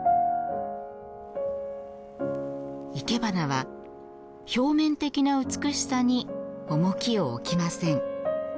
いけばなは、表面的な美しさに重きを置きません。